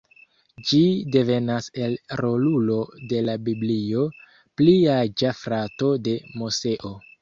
Ĝi devenas el rolulo de la Biblio, pli aĝa frato de Moseo.